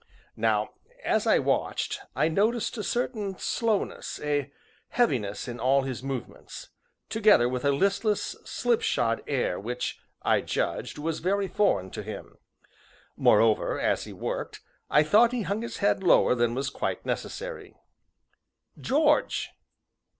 Now, as I watched, I noticed a certain slowness a heaviness in all his movements together with a listless, slipshod air which, I judged, was very foreign to him; moreover, as he worked, I thought he hung his head lower than was quite necessary. "George!"